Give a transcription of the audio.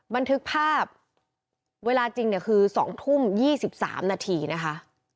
บันทึกภาพเวลาจริงเนี่ยคือ๒ทุ่ม๒๓นาทีนะคะ